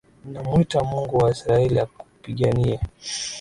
Ninamwita Mungu wa Israeli akupiganie.